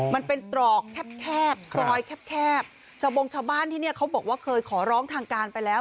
มันเป็นตรอกแคบแคบซอยแคบแคบชาวบงชาวบ้านที่นี่เขาบอกว่าเคยขอร้องทางการไปแล้ว